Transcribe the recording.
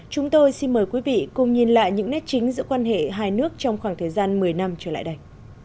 chúng tôi xin mời quý vị cùng nhìn lại những nét chính giữa quan hệ hai nước trong khoảng thời gian một mươi năm trở lại đây